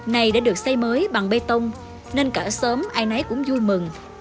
này đã được xây mới bằng bê tông nên cả sớm ai nấy cũng vui mừng